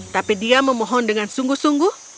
tapi dia memohon dengan sungguh sungguh